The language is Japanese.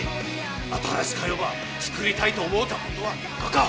新しか世ば作りたいと思うたことはなかか？